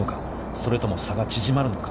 それとも差が縮まるのか。